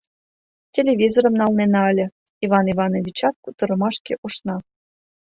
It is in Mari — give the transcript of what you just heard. — Телевизорым налнена ыле, — Иван Ивановичат кутырымашке ушна.